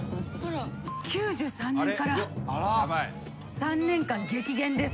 ９３年から３年間激減です。